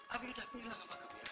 abi udah bilang sama kamu ya